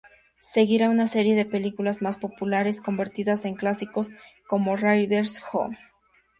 Seguirá una serie de películas más populares, convertidas en clásicos, como Raiders, "Ho!